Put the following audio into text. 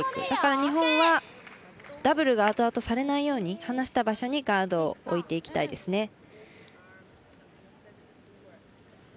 だから、日本はダブルが後々されないように放した場所にガードを置いていきたいですね。